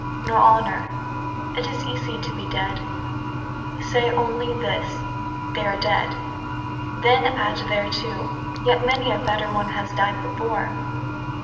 Nor honour. It is easy to be dead. Say only this, " They are dead." Then add thereto, " Yet many a better one has died before."